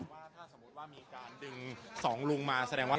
ว่าถ้าสมมุติว่ามีการดึงสองลุงมาแสดงว่า